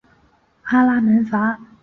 阿拉门戈。